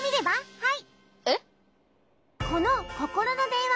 はい。